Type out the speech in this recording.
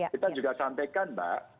kita juga sampaikan pak